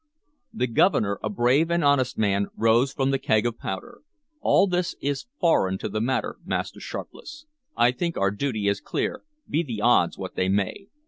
The Governor, a brave and honest man, rose from the keg of powder. "All this is foreign to the matter, Master Sharpless. I think our duty is clear, be the odds what they may.